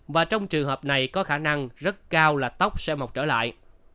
và trong trường hợp này có khả năng rất cao là tóc sẽ mọc trở lại